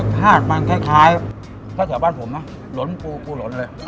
ถ้าเกี่ยวบ้านผมนะหลนปูปูหลนเลย